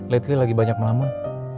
lately lagi banyak melamun